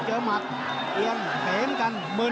มันต้องอย่างงี้มันต้องอย่างงี้